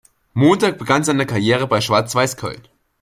Montag begann seine Karriere bei Schwarz-Weiß Köln.